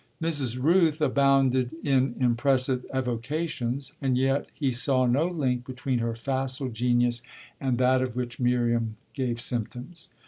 Mrs. Rooth abounded in impressive evocations, and yet he saw no link between her facile genius and that of which Miriam gave symptoms.